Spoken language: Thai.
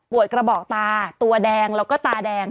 กระบอกตาตัวแดงแล้วก็ตาแดง